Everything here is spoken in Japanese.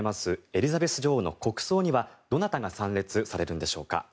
エリザベス女王の国葬にはどなたが参列されるのでしょうか。